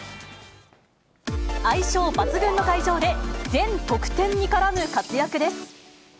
相性抜群の会場で、全得点に絡む活躍です。